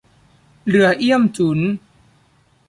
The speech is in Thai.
เรือเอี้ยมจุ๊น